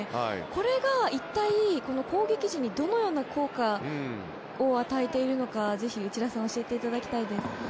これが一体攻撃陣にどのような効果を与えているのかをぜひ、内田さん教えていただきたいです。